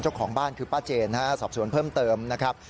เจ้าของบ้านคือป้าเจนสอบสวนเพิ่มเติมนะครับ